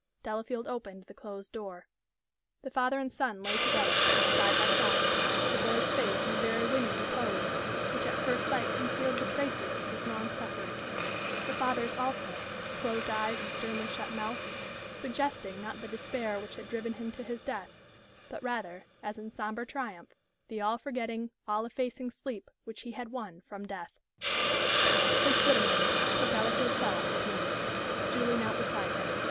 Delafield opened the closed door. The father and son lay together, side by side, the boy's face in a very winning repose, which at first sight concealed the traces of his long suffering; the father's also closed eyes and sternly shut mouth suggesting, not the despair which had driven him to his death, but, rather, as in sombre triumph, the all forgetting, all effacing sleep which he had won from death. They stood a moment, till Delafield fell on his knees. Julie knelt beside him.